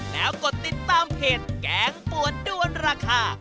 แล้วกดติดตามเพจแกงปวดด้วนราคา